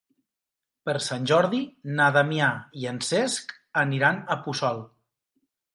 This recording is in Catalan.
Per Sant Jordi na Damià i en Cesc aniran a Puçol.